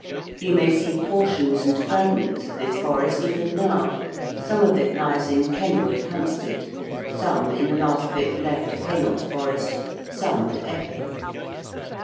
You may see portions and fragments of this forest even now; some of it lies in Ken Wood, Hampstead; some in the last bit left of Hainault Forest; some at Epping.